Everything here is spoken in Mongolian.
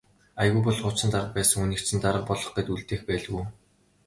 Аягүй бол хуучин дарга байсан хүнийг чинь дарга болгох гээд үлдээх байлгүй.